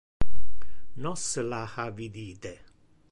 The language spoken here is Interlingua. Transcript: Nos la ha vidite.